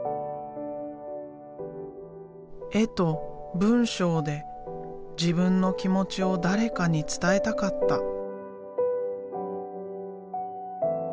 絵と文章で自分の気持ちを誰かに伝えたかった。